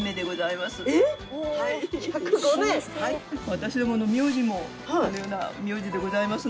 私どもの名字もこのような名字でございますので。